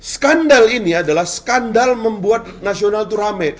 skandal ini adalah skandal membuat nasional itu rame